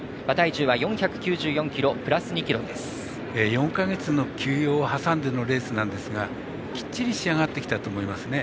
４か月の休養を挟んでのレースなんですがきっちり仕上がってきたと思いますね。